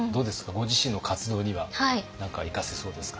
ご自身の活動には何か生かせそうですか？